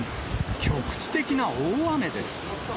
局地的な大雨です。